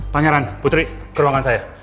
pangeran putri ke ruangan saya